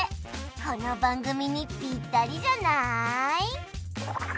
この番組にピッタリじゃない？